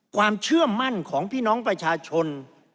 ความเชื่อมั่นของพี่น้องประชาชน